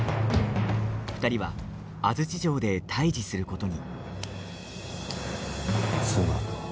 ２人は安土城で対じすることに。